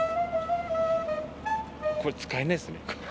これ使えないですね。